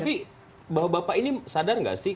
tapi bahwa bapak ini sadar nggak sih